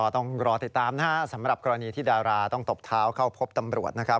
ต้องรอติดตามนะฮะสำหรับกรณีที่ดาราต้องตบเท้าเข้าพบตำรวจนะครับ